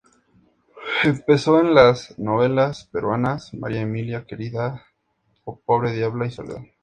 Empezó en las telenovelas peruanas: "María Emilia, querida", "Pobre diabla" y "Soledad".